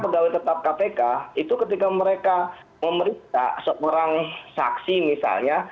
pegawai tetap kpk itu ketika mereka memeriksa seorang saksi misalnya